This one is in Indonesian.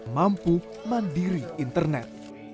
mampu mandiri internet